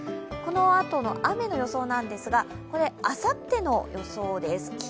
このあとの雨の予想なんですけど、これ、あさっての予想です